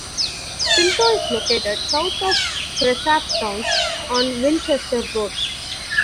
Pinto is located south of Cresaptown on Winchester Road.